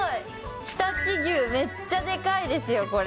常陸牛、めっちゃでかいですよ、これ。